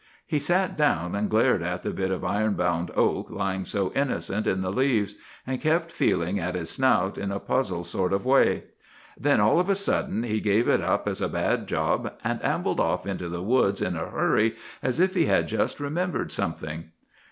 He sat down and glared at the bit of iron bound oak lying so innocent in the leaves, and kept feeling at his snout in a puzzled sort of way. Then all of a sudden he gave it up as a bad job, and ambled off into the woods in a hurry as if he had just remembered something.